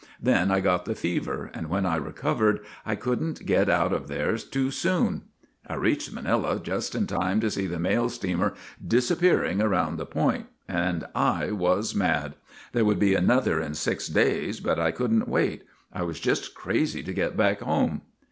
Then I got the fever, and when I recovered I couldn't get out of there too soon. * I reached Manila just in time to see the mail steamer disappearing around the point, and I was mad. There would be another in six days, but I could n't wait. I was just crazy to get back home.